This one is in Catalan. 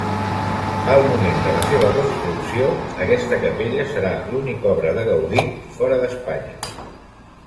Al moment de la seva construcció, aquesta capella serà l'única obra de Gaudí fora d'Espanya.